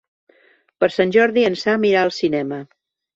Per Sant Jordi en Sam irà al cinema.